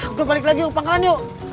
gue balik lagi yuk pangkalan yuk